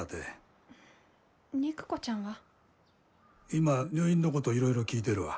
今入院のこといろいろ聞いてるわ。